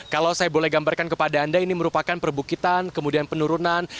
kalau saya boleh gambarkan kepada anda ini merupakan perbukitan kemudian penurunan